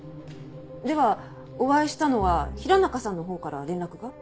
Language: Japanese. ではお会いしたのは平中さんのほうから連絡が？